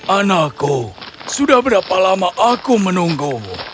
anakku sudah berapa lama aku menunggumu